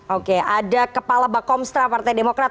oke ada kepala bakomstra partai demokrat